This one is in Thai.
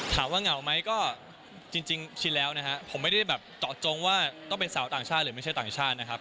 เหงาไหมก็จริงชินแล้วนะฮะผมไม่ได้แบบเจาะจงว่าต้องเป็นสาวต่างชาติหรือไม่ใช่ต่างชาตินะครับ